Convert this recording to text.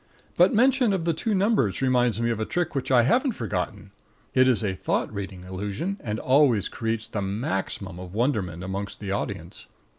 But mention of the two numbers reminds me of a trick which I haven't forgotten. It is a thought reading illusion, and always creates the maximum of wonderment amongst the audience.